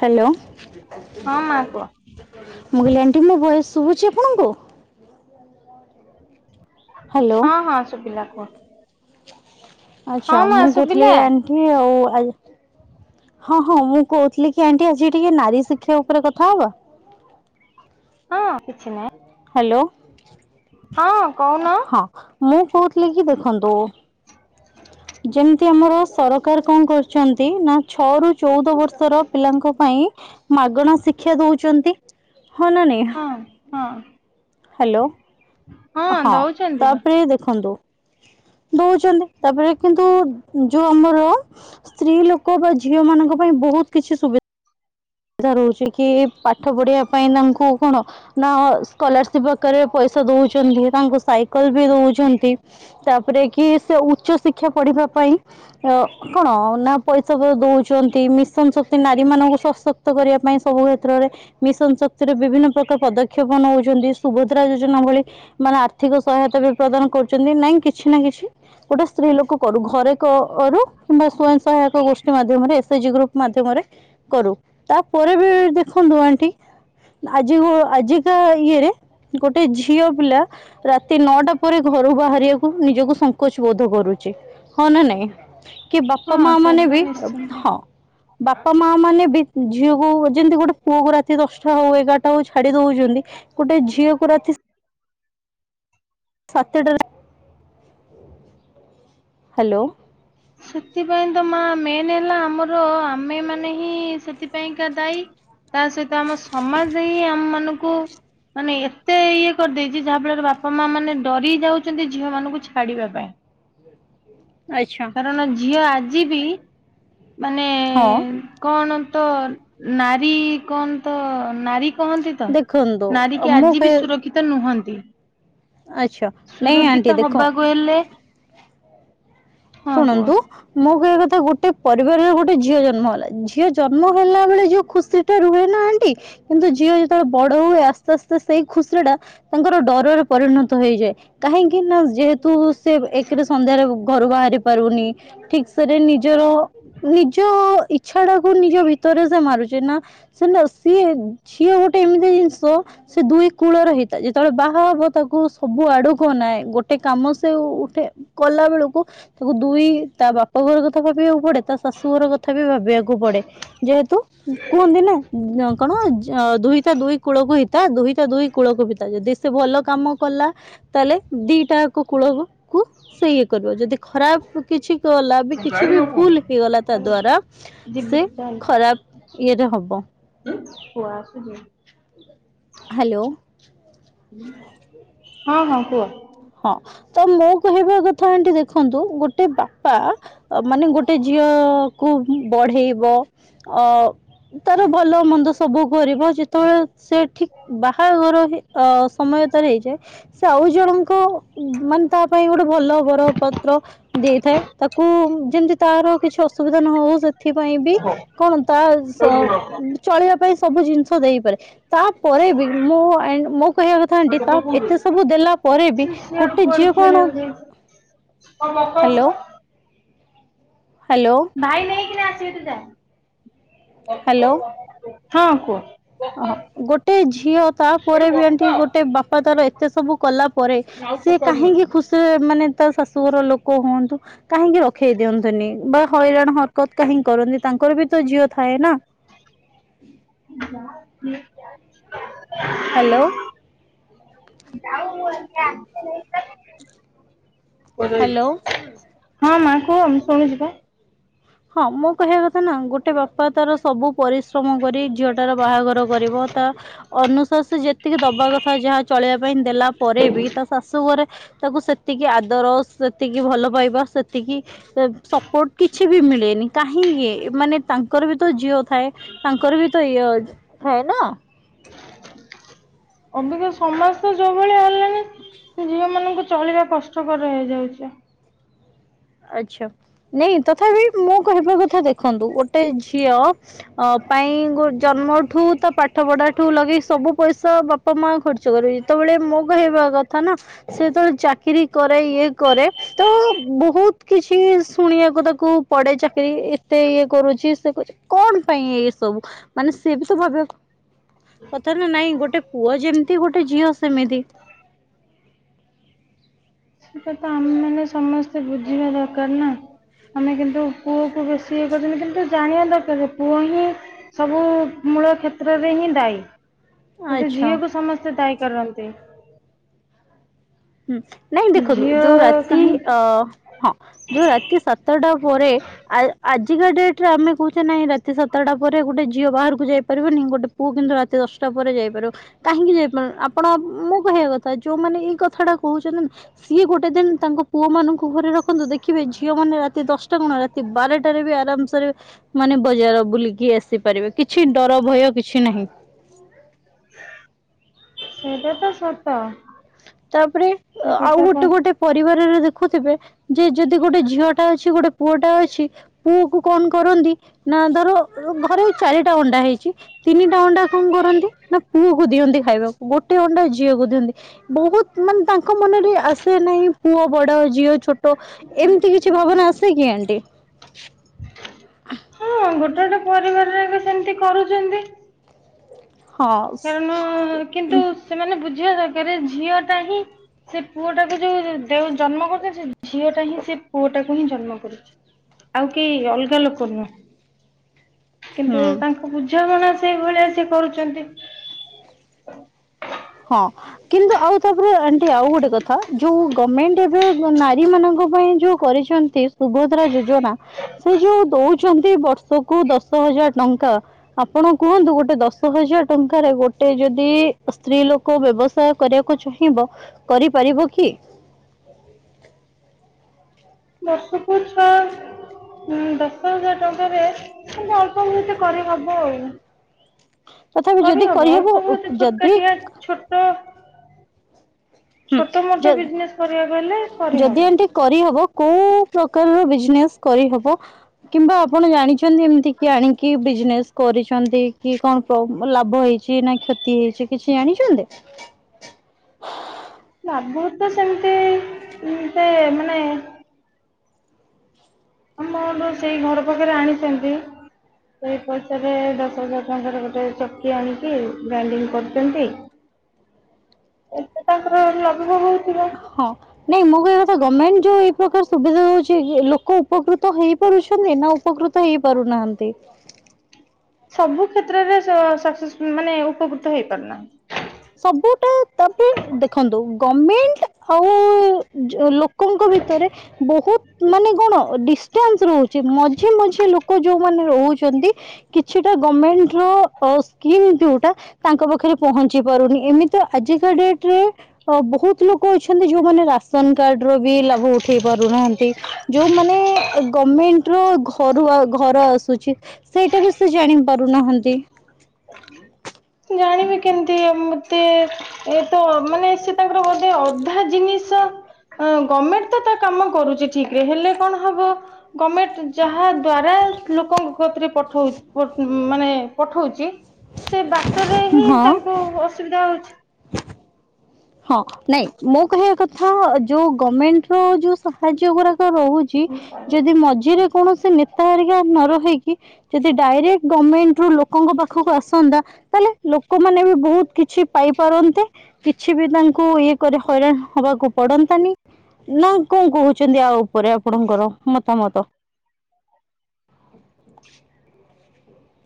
Hello. ହଁ ମା କୁହ ମୁଁ କହିଲି ଆଣ୍ଟି ମୋ ଭଏସ୍ ଶୁଭୁଛି ଆପଣଙ୍କୁ? ହ୍ୟାଲୋ ହଁ ହଁ ଶୁଭିଲା କୁହ ହଁ ଆଚ୍ଛା ମା ମୁଁ କହୁଥିଲି ଶୁଭିଲା ଆଣ୍ଟି ଆଉ ଆ ହଁ ହଁ ମୁଁ କହୁଥିଲି କି ଆଣ୍ଟି ଆଜି ଟିକେ ନାରୀ ଶିକ୍ଷା ଉପରେ କଥା ହବା? ହଁ। କିଛି ନାହିଁ ହ୍ୟାଲୋ। ହଁ କହୁନ। ହଁ ମୁଁ କହୁଥିଲି କି ଦେଖନ୍ତୁ ଯେମତି ତି ଆମର ସରକାର କଣ କରୁଛନ୍ତି ନା ଛଅ ରୁ ଚଉଦ ବର୍ଷର ପିଲାଙ୍କ ପାଇଁ ମାଗଣା ଶିକ୍ଷା ଦଉଚନ୍ତି। ହଁ ନାଁ ନାଇଁ। ହଁ ହଁ। ହ୍ୟାଲୋ ହଁ ଦଉଛନ୍ତି ବା ତାପରେ ଦେଖନ୍ତୁ ଦଉଛନ୍ତି ତାପରେ କିନ୍ତୁ ଯୋଉ ଆମର ସ୍ତ୍ରୀ ଲୋକ ବା ଝିଅ ମାନଙ୍କ ପାଇଁ ବହୁତ କିଛି ସୁବିଧା ବି ଲଧା ରହୁଛି କି ପାଠ ପଢିବା ପାଇଁ ତାଙ୍କୁ କଣ ନା ସ୍କଲାରସିପ ଆକାରରେ ପଇସା ଦଉଛନ୍ତି ତାଙ୍କୁ ସାଇକଲ ବି ଦଉଛନ୍ତି ତାପରେ କି ସେ ଉଚ୍ଚ ଶିକ୍ଷା ପଢିବା ପାଇଁ କଣ ନା ପଇସା ଦଉଛନ୍ତି ମିଶନ ଶକ୍ତି ନାରୀ ମାନଙ୍କୁ ସଶକ୍ତି ସଶକ୍ତ କରିବା ପାଇଁ ସବୁ କ୍ଷେତ୍ରରେ ମିଶନ ଶକ୍ତିରେ ବିଭିନ୍ନ ପ୍ରକାର ପଦକ୍ଷେପ ନଉଛନ୍ତି ସୁଭଦ୍ରା ଯୋଜନା ଭଳି ମାନେ ଆର୍ଥିକ ସହାୟତା ବି ପ୍ରଦାନ କରୁଛନ୍ତି ନାଇଁ କିଛି ନା କିଛି ଗୋଟେ ସ୍ତ୍ରୀ ଲୋକ କରୁ ଘରେ କରୁ କିମ୍ବା ସ୍ଵୟଂ ସହାୟକ ଗୋଷ୍ଠୀ ମାଧ୍ୟମରେ ଏସ୍ ଏଚ ଜି ଗ୍ରୁପ ମାଧ୍ୟମରେ କରୁ । ତାପରେ ପରେ ବି ଦେଖନ୍ତୁ ଆଣ୍ଟି ଆଜି ଆଜିକା ଇଏରେ ଗୋଟେ ଝିଅ ପିଲା ରାତି ନଅଟା ପରେ ଘରୁ ବାହାରିବାକୁ ନିଜକୁ କୁଛ ବୋଧ କରୁଛି ହଁ ନା ନାଇଁ । କି ହଁ ବାପା ମା ମାନେ ସେଇଟା ବି ନିଶ୍ଚିନ୍ତ। ହଁ । ବାପା ପାମାଆ ମାନେ ବି ଝିଅକୁ ଯେମିତି ଗୋଟେ ପୁଅକୁ ରାତି ଦଶଟା ହଉ ଏଗାରଟା ହଉ ଛାଡି ଦଉଛନ୍ତି ଗୋଟେ ଝିଅକୁ ରାତି ସାତଟାରେ ହ୍ୟାଲୋ । ସେଥିପାଇଁ ତ ମା ମେନ୍ ହେଲା ଆମର ଆମେମାନେ ହିଁ ସେଥିପାଇଁକା ଦାୟୀ ତା ସହିତ ଆମ ସମାଜ ହିଁ ଆମ ମାନଙ୍କୁ ମାନେ ଏତେ ଇଏ କରିଦେଇଛି ଯାହା ଫଳରେ ବାପା ମାଆମାନେ ଡରି ଯାଉଛନ୍ତି ଝିଅ ମାନଙ୍କୁ ଛାଡିବା ପାଇଁ । ଆଚ୍ଛା। କାରଣ ଝିଅ ଆଜି ଯିବି ମାନେ ହଁ କଣ ତ ନାରୀ କଣ ତ ନାରୀ କହନ୍ତି ତ ଦେଖନ୍ତୁ ନାରୀ କି ମୁଁ ଆଜି ବି ସୁରକ୍ଷିତ ନୁହଁନ୍ତି ନ୍ତି। ଆଚ୍ଛା ନାଇଁ ଆଣ୍ଟି ଦେଖ ହେଲେ ହଁ କୁହ। ଶୁଣନ୍ତୁ ମୁଁ କହିଆ କଥା ଥା ଗୋଟେ ପରିବାରର ଗୋଟେ ଝିଅ ଜନ୍ମ ହେଲା ଝିଅ ଜନ୍ମ ହେଲା ବେଳେ ଯୋଉ ଖୁସିଟା ରୁହେ ନା ଆଣ୍ଟି କିନ୍ତୁ ଝିଅ ଯେତେବେଳେ ବଡ ହୁଏ ଆସ୍ତେ ଆସ୍ତେ ସେଇ ଖୁସି ଟା ତାଙ୍କର ଡରରେ ପରିଣତ ହେଇଯାଏ କାହିଁକି ନା ଯେହେତୁ ସେ ଏକରେ ସନ୍ଧ୍ୟାରେ ଘରୁ ବାହାରି ପାରୁନି ଠିକ୍ ସେରେ ନି ନିଜର ନିଜ ଇଚ୍ଛା ଟାକୁ ନିଜ ଭିତରେ ସେ ମାରୁଛେ ନା ସେ ସିଏ ଝିଏ ଗୋଟେ ଏମିତି ଜିନିଷ ସେ ଦୁଇ କୂଳର ହେଇଥାଏ ଯେତେବେଳେ ବାହା ହେବ ତାକୁ ସବୁ ଆଡକୁ ନାହିଁ ଗୋଟେ କାମ ସେ ଉଠେ କଲା ବେଳକୁ ତାକୁ ଦୁଇ ତା ବାପ ଘର କଥା ଭାବିବାକୁ ପଡେ। ତା ଶାଶୁ ଘର କଥା ବି ଭାବିବାକୁ ପଡେ ଯେହେତୁ କୁହନ୍ତି ନା କଣ ଦୁହିଟ ଦୁଇ କୂଳକୁ ହିତା ଦୁହିଟ ଦୁଇ କୂଳକୁ ଭିତା ଯଦି ସେ ଭଲ କାମ କଲା ତାହେଲେ ଦିଟା ଏକ କୂଳ କୁ ସେ ଇଏ କର ଯଦି ଖରାପ କିଛି ଗଲା ବି ଯିବି କିଛି ବି ଭୁଲ ହେଇଗଲା ତା ଦ୍ଵାରା ସେ ଚାଲ ଖରାପ ଆସୁଚି ଇଏରେ ହବ। ପୁଅ ଆସୁ ଯିବି। ହ୍ୟାଲୋ। [inaudible] ହୁଁ ହଁ ହଁ କୁହ। ହଁ। ତ ମୋ କହିବା କଥା ଆଣ୍ଟି ଦେଖନ୍ତୁ ଗୋଟେ ବାପା ମାନେ ଗୋଟେ ଝିଅ କୁ ବଢେଇବ ଅ ତାର ଭଲ ମନ୍ଦ ସବୁ କରିବ ଯେତେବେଳେ ସେ ଠିକ ବାହାଘର ସମୟ ତାର ହେଇଯାଏ ସେ ଆଉ ତ ମାନେ ତା ପାଇଁ ଗୋଟେ ଭଲ ବର ପତ୍ର ଦେଇଥାଏ ତାକୁ ଯେମିତି ତାର କିଛି ଅସୁବିଧା ନ ହଉ ସେଥିପାଇଁ ବି କଣ ତା ଚ ଚଳିବା ପାଇଁ ସବୁ ଜିନିଷ ଦେଇପାରେ ତାପରେ ବି ମୁଁ ଆ ମୁଁ କହିବା କଥା ଆଣ୍ଟି ତା ଏତେ ସବୁ ଦେଲା ପରେ ବି ଶିଷ ଗୋଟେ ଉପ ଝିଅ ଖେଲେ କଣ ଆ ବାପା। ହ୍ୟାଲୋ ହ୍ୟାଲୋ ଭାଇ ନେଇକିନା ଆ ତୁ ଏଠୁ ଯା। [inaudible] ହଁ କୁହ। ଓହ ଗୋଟେ ଝିଅ ତାପରେ ବି ଏଠି ଗୋଟେ ବାପା ତାର ଏତେ ସବୁ କଲା ପରେ ଆଉ ସିଏ କାହିଁକି ପକାଉନାହାନ୍ତି ଖୁସିରେ ମାନେ ତା ଶ ସୁ ଘର ଲୋକ ହୁଅନ୍ତୁ କାହିଁକି ରଖେଇ ଦିଅନ୍ତିନି ବା ହଇରାଣ ହରକତ କାହିଁ କରନ୍ତି ତାଙ୍କର ବି ତ ଝିଅ ଥାଏ ନା। [inaudible] ହ୍ୟାଲୋ। [inaudible] ହ୍ୟାଲୋ ହଁ ମା। କୁହ ମୁଁ ଶୁଣୁଚି ପା। ହଁ ମୁଁ କହିବା କଥା ନା ଗୋଟେ ବାପା ତାର ସବୁ ପରିଶ୍ରମ କରି ଝିଅଟାର ବାହାଘର କରିବ ତା ଅନୁସାସ ଯେତିକି ଦବା କଥା ଯାହା ଚଳେଇିବା ପାଇଁ ଦେଲା ପରେ ବି ତା ଶାଶୁଘରେ ତାକୁ ସେ ସେତିକି ଆଦର ସେତିକି ଭଲ ପାଇବା ସେତ ତିକି ଏ ସପୋର୍ଟ କିଛି ବି ମିଳ ହେଇନି। କାହିଁକି ମାନେ ତାଙ୍କର ବି ତ ଝିଅ ଥାଏ ତାଙ୍କର ବି ତ ଇଏ ଥାଏ ନା। ଅବିକା ସମାଜ ତ ଯୋଉ ଭଳିଆ ହେଲାଣି ଝିଅ ମାନଙ୍କୁ ଚଳିବା କଷ୍ଟକର ହେଇଯାଉଛି। ଆଛା ନାଇଁ ତଥାପି ମୁଁ କହିବା କଥା ଦେଖନ୍ତୁ ଗୋଟେ ଝିଅ ଅ ପାଇଁ ଗୋ ଜନ୍ମ ଠୁ ତ ପାଠ ପଢାଠୁ ଲଗେଇ ସବୁ ପଇସା ବା ପମା ଖର୍ଚ୍ଚ କରିବେ, ଯେତେବେଳେ ମୋ କହିବା କଥ କଥା ନା ସେତେବେଳେ ଚାକିରି କରେ ଇଏ କରେ, ତ ବହୁତ କିଛି ଶୁଣିବାକୁ ତାକୁ ପଡେ ଚାକିରି ଏତେ ଇଏ କରୁଛି ସେ କରୁଛି କଣ ପାଇଁ ଇସ୍ ସବୁ ମାନେ ସିଏବି ତ ଭାବିବାକୁ କଥା ନା ନାଇଁ ଗୋଟେ ପୁଅ ଯେମିତି ଗୋଟେ ଝିଅ ସେମିତି। ସେଇଟା ତ ଆମେ ମାନେ ସମସ୍ତେ ବୁଝିବା ଦରକାର ନା। ଆମେ କିନ୍ତୁ ପୁଅ କୁ ବେଶୀ ଇଏ କରିଛନ୍ତି। କିନ୍ତୁ ଜାଣିବା ଦରକାର ପୁଅ ହିଁ ସବୁ ମୂଳ କ୍ଷେତ୍ରରେ ହିଁ ଦାୟୀ। କିନ୍ତୁ ଆଚ୍ଛା। ଝିଅକୁ ସମସ୍ତେ ଦାୟୀ କରନ୍ତି। ହୁଁ ନାଇଁ ଦେଖନ୍ତୁ ଝିଅ ଯୋଉ ରାତି କାହିଁକି ଅ ହଁ ଯୋଉ ରାତି ସାତଟା ପରେ ଆ ଆଜିକା ଡେଟ୍ ଆମେ କହୁଛେ ନାଇଁ ରାତି ସାତଟା ପରେ ଗୋଟେ ଝିଅ ବାହାରକୁ ଯାଇପାରିବନି ଗୋଟେ ପୁଅ କିନ୍ତୁ ରାତି ଦଶଟା ପରେ ଯାଇପାରିବ। କାହିଁକି ଯାଇପାରୁନି ଆପଣ ମୁଁ କହିବା କଥା ଯୋଉ ମାନେ ଏଇ କ କଥାଟା କହୁଛନ୍ତି ସିଏ ଗୋଟେ ଦିନ ତାଙ୍କ ପୁଅ ମାନଙ୍କୁ ଘରେ ରଖନ୍ତୁ। ଦେଖିବେ ଝିଅ ମାନେ ରାତି ଦଶଟା କଣ ରାତି ବାରଟାରେ ବି ଆରାମସରେ ମାନେ ବଜାର ବୁଲିକି ଆସିପାରିବେ। କିଛି ଡର ଭୟ କିଛି ନାହିଁ। ସେଇଟା ତ ସତ। ତାପରେ ସେ ଆଉ କଥା କହ ଗୋଟେ ଗୋଟେ ପରିବାରର ଦେ ଦେଖୁଥିବେ ଯେ ଯଦି ଗୋଟେ ଝିଅ ଟା ଅଛି ଗୋଟେ ପୁଅଟା ଅଛି ପୁଅକୁ କଣ କରନ୍ତି ନା ଧର ଘରେ ଚାରିଟା ଅଣ୍ଡା ହେଇଛି। ତିନିଟା ଅଣ୍ଡା କଣ କରନ୍ତି ନା ପୁଅକୁ ଦିଅନ୍ତି ଖାଇବାକୁ। ଗୋଟେ ଅଣ୍ଡା ଝିଅକୁ ଦିଅନ୍ତି। ବହୁତ ମାନେ ତାଙ୍କ ତାଙ୍କ ମନରେ ଆସେ ନାହିଁ ପୁଅ ବଡ ଝିଅ ଛୋଟ ଏମିତି କିଛି ଭାବନା ଆସେ କି ଆଣ୍ଟି? ଟେ ପରିବାରରେ ସେମତି କରୁଛନ୍ତି। ହଁ କାରଣ କିନ୍ତୁ ସେମାନେ ବୁଝ ଝିଅ ଦରକାର ଝିଅ ଟା ହିଁ ସେ ପୁଅଟାକୁ ଯୋଉ ଦେ ଜନ୍ମ କରୁଛନ୍ତି। ସେ ଝିଅଟା ହିଁ ସେ ପୁଅଟାକୁ ହିଁ ଜନ୍ମ କରୁଛି। ଆଉ କେହି ଅଲଗା ଲୋକ ନୁହଁ । କିନ୍ତୁ ହୁଁ ତାଙ୍କୁ ବୁଝାମଣା ସେଇଭଳିଆ ସିଏ କରୁଛନ୍ତି। [inaudible] ହଁ କିନ୍ତୁ ଆଉ ତାପରେ ଆଣ୍ଟି ଆଉ ଗୋଟେ କଥା ଯୋଉ ଗଭମେଣ୍ଟ ଏବେ ନାରୀ ମାନଙ୍କ ପାଇଁ ଯୋଉ କରିଛନ୍ତି ସୁଭଦ୍ରା ଯୋଜନା। ସେ ଯୋଉ ଦଉଛନ୍ତି ବର୍ଷକୁ ଦଶ ହଜାର ଟଙ୍କ ଙ୍କ ଆପଣ କୁହନ୍ତୁ ଗୋଟେ ଦଶ ହଜାର ଟଙ୍କାରେ ଗୋଟେ ଯଦି ଇ ସ୍ତ୍ରୀ ଲୋକ ବ୍ୟବସାୟ କରିବାକୁ ଚାହିଁବ କରିପାରିବ କି? ବର୍ଷକୁୁ ଛଅ ଉଁ ଦଶ ହଜାର ଟଙ୍କାରେ କିନ୍ତୁ ଅଳ୍ପ ବହୁତ କରି ହବ ଆଉ । ତଥାପି ଯଦି କରିହବ କରିହେବ ଅଳ୍ପ ବହୁତ ଯଦି ଛୋଟକାଟିଆ ଛୋଟ ହୁଁ ଛୋଟ ମୋଟ ଯ ବିଜନେସ କରିବାକୁ ହେଲେ ଯଦି କରିହବ। ଏମତି କରିହବ କୋଉ ପ୍ରକାରର ବିଜନେସ୍ କରିହବ କିମ୍ବା ଆପଣ ଜାଣିଛ ଛନ୍ତି ଏମିତି କି ଆଣିକି ବିଜନେସ୍ କରିଛନ୍ତି କି କଣ ଲାଭ ହେଇଛି ନା କ୍ଷତି ହେଇଛି କିଛି ଜାଣିଛନ୍ତି? ବହୁତ ତ ସେମିତି ଏ ସେ ମାନେ ଆମର ସେଇ ଘର ପାଖରେ ଆଣିଛନ୍ତି ସେଇ ପଇସାରେ ଦଶ ହଜାର ଟଙ୍କାରେ ଗୋଟେ ଚକି ଆଣିକି ଗ୍ରାଇଡିଙ୍ଗ କରୁଛନ୍ତି ଏ ତାଙ୍କର ଲାଭ ହଉଥିବ ହଁ ନାଇଁ ମୋ କହିଆ କଥା ଗମେଣ୍ଟ ଯୋଉ ଏଇ ପ୍ରକାର ସୁବିଧା ଦଉଛି ଲୋକ ଉପକୃତ ହେଇପାରୁଛନ୍ତି ନା ଉପକୃତ ହେଇପାରୁନାହାଁନ୍ତି ସବୁ କ୍ଷେତ୍ରରେ ସକ୍ସେସ ମାନେ ଉପକୃତ ହେଇପାରୁନାହିଁ । ସବୁଟା ତାପରେ ଦେଖନ୍ତୁ ଗମେଣ୍ଟ ଆଉ ଲୋକଙ୍କ ଭିତରେ ବହୁତ ମାନେ କଣ ଡିଷ୍ଟାନ୍ସ ରହୁଛି ମଝି ମଝି ଲୋକ ଯୋଉ ରହୁଛନ୍ତି କିଛିଟା ଗମେଣ୍ଟର ସ୍କିମ୍ ଯୋଉଟା ତାଙ୍କ ପାଖରେ ପହଞ୍ଚି ଞ୍ଚି ପାରୁନି ଏମିତି ଆଜିକା ଡେଟରେ ବହୁତ ଲୋକ ଅଛନ୍ତି ଯୋଉମାନେ ରାସନ କାର୍ଡର ବି ଲାଭ ଉଠେଇ ପାରୁନାହାଁନ୍ତି ଯୋଉମାନେ ଗମେଣ୍ଟର ଘରୁ ଘର ଆସୁଛି ସେଇଟା ବି ସେ ଜାଣି ପାରୁନାହାଁନ୍ତି। ଜାଣିବି କେମିତି ଆ ମତେ ଏ ତ ମାନେ ସେ ତାଙ୍କର ବୋଧେ ଅଧା ଜିନିଷ ହଁ ଗମେଣ୍ଟ ତ ତା କାମ କରୁଛି ଠିକ ରେ ହେଲେ କଣ ହବ ଗମେଣ୍ଟ ଯାହା ଦ୍ଵାରା ଲୋକଙ୍କ କତିରେ ପଠଉ ମାନେ ପଠଉଛି କ୍ଟରରେ ହିଁ ହଁ। ତାଙ୍କୁ ଅସୁବିଧା ହଉଛି। ହଁ ନାଇଁ ମୋ କହିବା କଥା ଯୋଉ ଗମେଣ୍ଟ ର ଯୋଉ ସାହାଯ୍ୟ ଗୁରା ସହାୟତା ରହୁଛି ଯଦି ମଝିରେ କୌଣସି ନ ୟତା ହେରିକା ନ ରହିକି ଯଦି ଡାଇରେକ୍ଟ ଗମେଣ୍ଟ ରୁ ଲୋକଙ୍କ ପାଖକୁ ଆସନ୍ତା ତାହେଲେ ଲୋକମାନେ ବି ବହୁତ କିଛି ପାଇପାରନ୍ତେ କିଛି ବି ତାଙ୍କୁ ଇଏ କରି ହଇରାଣ ହବାକୁ ପଡନ୍ତାନି ନା କଣ କହୁଛନ୍ତି ଆଉ ଉପରେ ଆପଣଙ୍କର ମତାମତ ।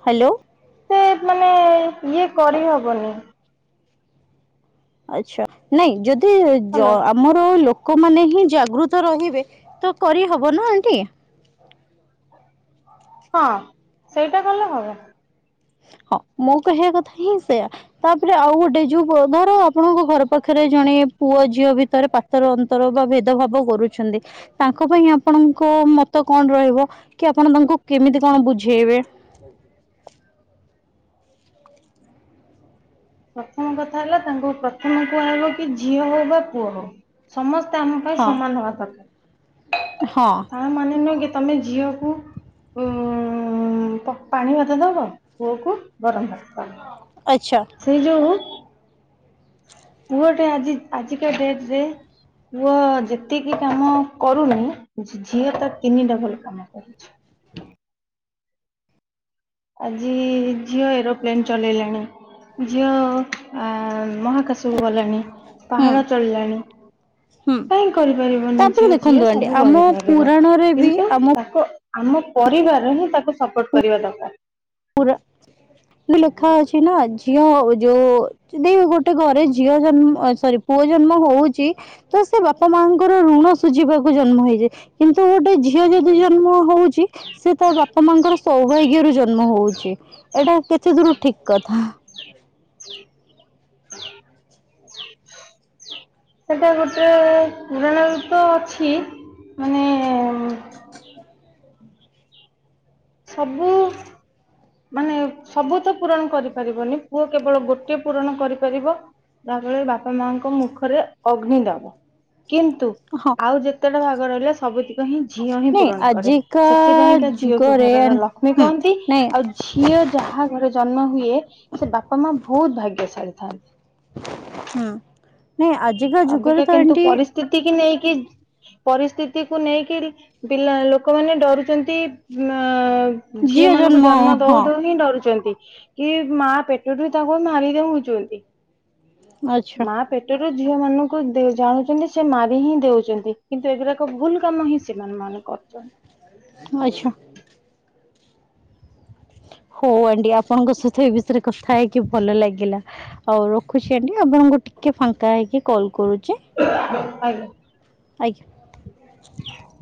ହ୍ୟାଲୋ। ସେ ମାନେ ଇଏ କରିହବନି ଆଚ୍ଛା ନାଇଁ ଯଦି ହଲୋ ଆମର ଲୋକ ଲୋକମାନେ ହିଁ ଜାଗୃତ ରହିବେ ତ କରିହବ ନା ଆଣ୍ଟି । ହଁ ସେଇଟା କଲେ ହବ । ହଁ ମୋ କହିବା କଥା ହିଁ ସେୟା ତାପରେ ଆଉ ଗୋଟେ ଯୋଉ ଧର ଆପଣଙ୍କ ଘର ପାଖରେ ଜଣେ ପୁଅ ଝିଅ ଭିତରେ ପାତର ଅନ୍ତର ବା ଭେଦଭାବ କରୁଛନ୍ତି ତାଙ୍କ ପାଇଁ ଆପଣଙ୍କ ମତ କଣ ରହିବ କି ଆପଣ ତାଙ୍କୁ କେମିତି କଣ ବୁଝେଇବେ? ପ୍ରଥମ କଥା ହେଲା ତାଙ୍କୁ ପ୍ରଥମ କୁହାହେବ କି ଝିଅ ହଉ ବା ପୁଅ ହଉ ସମସ୍ତ ଆମ ପାଇଁ ହଁ ସମାନ ହବା ଦରକାର । ହଁ ତା ମାନେ ନୁହେଁ କି ତମେ ଝିଅକୁ ପାଣି ମଧ୍ୟ ଦେବ ପୁଅକୁ ଗରମ ଦେବ। ଆଚ୍ଛା। ଯଉ ପୁଅ ଟେ ଆଜି ଆଜିକା ଡେଟ ରେ ପୁଅ ଯେତିକି କାମ କରୁନି ଝିଅ ତ ତିନିଟା ଭଲ କାମ କରୁଛି। ଆଜି ଝିଓ ଏରୋପ୍ଲେନ୍ ଚଲେଇଲାଣି ଝିଅ ମହାକାଶକୁ ଗଲାଣି ହୁଁ ପାହାଡ ଚଳିଲାଣି ହୁଁ। କାହିଁ କରିପାରିବନି ତାପରେ ଝିଅ ଝିଅ ଦେଖନ୍ତୁ ଆଣ୍ଟି ସବୁ ଆମ ଗପାରିବ ପୁରାଣରେ ବି କିନ୍ତୁ ଆମ ତାକୁ ଆମ ପରିବାର ହିଁ ତାକୁ ସପୋର୍ଟ କରିବା ଦରକାର। ପୁର ଲେଖା ଅଛି ନା ଝିଅ ଯୋଉ ଯଦି ଗୋଟେ ଘରେ ଝିଅ ଜନ୍ମ ସରି ପୁଅ ଜନ୍ମ ହଉଛି ତ ସେ ବାପା ମାଙ୍କର ଋଣ ସୁୁଝିବାକୁ ଜନ୍ମ ହେଇଛି କିନ୍ତୁ ଗୋଟେ ଝିଅ ଯଦି ଜନ୍ମ ହଉଛି ସେ ତା ବାପା ମାଙ୍କର ସୌଭାଗ୍ୟରୁ ଜନ୍ମ ହଉଛି। ଏଇଟା କେତେ ଦୂର ଠିକ କଥା? [inaudible] ସେଟା ଗୋଟେ ପୁରାଣରେ ତ ଅଛି ମାନେ ସବୁ ମାନେ ସବୁ ତ ପୂରଣ କରିପାରିବନି ପୁଅ କେବଳ ଗୋଟେ ପୂରଣ କରିପାରିବ ଯାହା ଫରେ ବାପା ମାଙ୍କ ମୁଖରେ ଅଗ୍ନି ଦବ। କିନ୍ତୁ ହଁ ଆଉ ଯେତେଟା ଭାଗ ରହିଲା ସବୁତିକ ହିଁ ଝିଅ ହିଁ ନାଇଁ ପୂରଣ କରେ ଆଜିକା ସେଥିପାଇଁକା ଝିଅକୁ ଯୁଗରେ ଘରର ଲକ୍ଷ୍ମୀ ହୁଁ କହନ୍ତି ନାଇଁ ଆଉ ଝିଅ ଯାହା ଘରେ ଜନ୍ମ ହୁଏ ସେ ବାପା ମା ବହୁତ ଭାଗ୍ୟଶାଳୀ। ଥାନ୍ତି। ହୁଁ। ନାଇଁ ଆଜିିକା ଯୁଗର ଅବିକା ତ କିନ୍ତୁ ଏଣ୍ଟି ପରିସ୍ଥିତି କି ନେଇକି ପରିସ୍ଥିତିକୁ ନେଇକି ପିଲା ଲୋକମାନେ ଡରୁଛନ୍ତି ଅ ଝିଅ ମାନଙ୍କୁ ଜନ୍ମ ଦଉ ଦଉ ହିଁ ଡରୁଛନ୍ତି। କି ମା ପେଟରୁ ତାକୁ ମାରିଦଉଛନ୍ତି। ଆଚ୍ଛା ମା ପେଟରୁ ଝିଅ ମାନଙ୍କୁ ଜାଣୁଛନ୍ତି। ସେ ମାରି ହିଁ ଦେଉଛନ୍ତି। କିନ୍ତୁ ଏଗୁଡାକ ଭୁଲ କାମ ହିଁ ସେମାନେ ମାନେ କରୁଛନ୍ତି। ଆଚ୍ଛା। ହଉ ଆଣ୍ଟି ଆପଣଙ୍କ ସହିତ ଏ ବିଷୟରେ କଥା ହେଇକି ଭଲ ଲାଗିଲା ଆଉ ରଖୁଛି ଆଣ୍ଟି ଆପଣଙ୍କୁ ଟିକେ ଫାଙ୍କା ହେଇକି କଲ କରୁ ଆଜ୍ଞା। [inaudible]